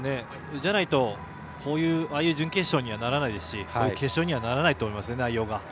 じゃないと、ああいう準決勝にはならないですしこういう内容の決勝にはならないと思いますね。